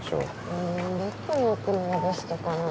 うんどこに置くのがベストかな。